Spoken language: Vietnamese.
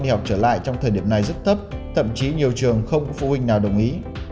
nhưng không có con đi học trở lại trong thời điểm này rất thấp thậm chí nhiều trường không có phụ huynh nào đồng ý